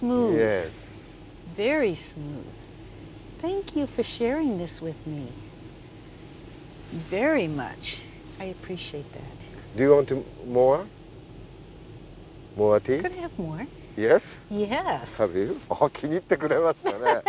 気に入ってくれましたね。